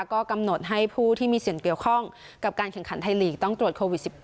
ก็กำหนดให้ผู้ที่มีส่วนเกี่ยวข้องกับการแข่งขันไทยลีกต้องตรวจโควิด๑๙